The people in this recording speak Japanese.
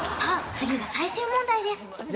次が最終問題です